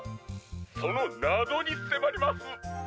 そのなぞにせまります」。